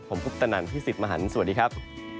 ผมพุทธนันพี่สิทธิ์มหันฯสวัสดีครับ